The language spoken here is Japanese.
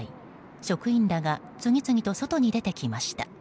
職員らが次々と外に出て来ました。